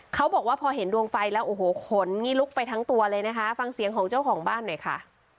เขาบอกว่าพอเห็นดวงไฟแล้วโอ้โหขนงี้ลุกไปทั้งตัวเลยนะคะฟังเสียงของเจ้าของบ้านหน่อยค่ะ